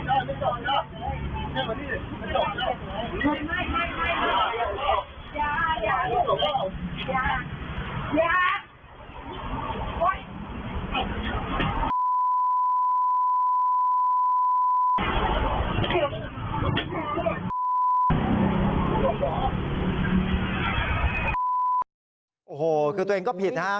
โอ้ค่ะคือตัวเองก็ผิดนะครับ